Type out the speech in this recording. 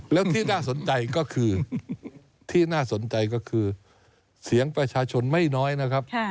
แล้วที่น่าสนใจก็คือที่น่าสนใจก็คือเสียงประชาชนไม่น้อยนะครับ